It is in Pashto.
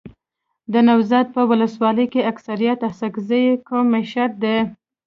دنوزاد په ولسوالۍ کي اکثريت اسحق زی قوم میشت دی.